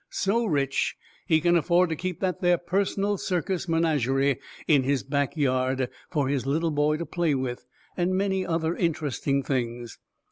So rich he can afford to keep that there personal circus menagerie in his back yard, for his little boy to play with, and many other interesting things.